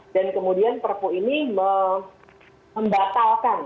dan kemudian perpu ini membatalkan